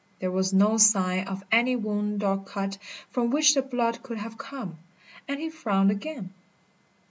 There was no sign of any wound or cut from which the blood could have come, and he frowned again.